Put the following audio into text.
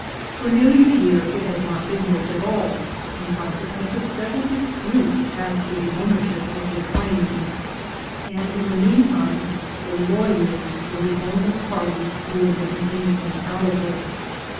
For nearlj^ a year it had not been worked at all, in consequence of several disputes as to the ownership of the claims; and in the meantime the lawyers were the only parties who were making any thing out of it.